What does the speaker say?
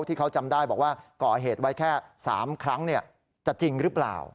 ที่เขาจำได้บอกว่าก่อเหตุไว้แค่๓ครั้งจะจริงหรือเปล่า